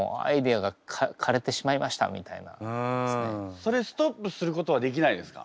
それストップすることはできないですか？